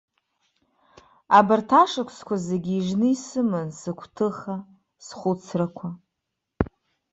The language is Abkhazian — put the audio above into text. Абарҭ ашықәсқәа зегьы ижны исыман сыгәҭыха, схәыцрақәа.